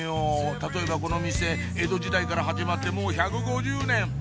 例えばこの店江戸時代から始まってもう１５０年